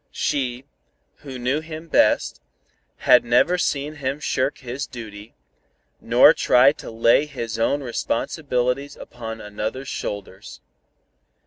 She, who knew him best, had never seen him shirk his duty, nor try to lay his own responsibilities upon another's shoulders.